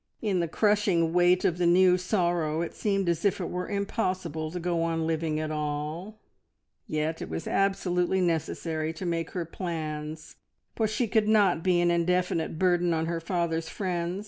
In the crushing weight of the new sorrow it seemed as if it were impossible to go on living at all, yet it was absolutely necessary to make her plans, for she could not be an indefinite burden on her father's friends.